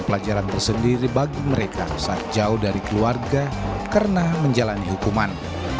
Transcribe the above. pelajaran tersendiri bagi mereka saat jauh dari keluarga karena menjalani hukuman